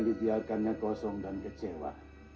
dilihatkannya kosong dan kecewa